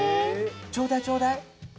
ちょだいちょだい！